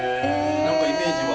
何かイメージが。